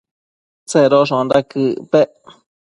Tsedoshonda quëc pec?